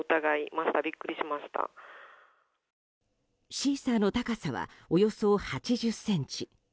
シーサーの高さはおよそ８０ｃｍ。